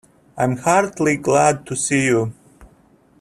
I am heartily glad to see you.